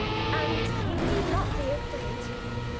And you need not be afraid.